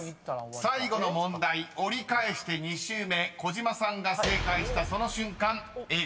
［最後の問題折り返して２周目小島さんが正解したその瞬間Ａぇ！